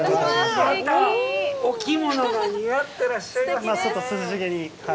また、お着物が似合ってらっしゃいますねぇ。